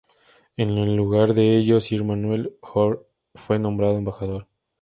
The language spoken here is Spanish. En lugar de ello, Sir Samuel Hoare fue nombrado embajador.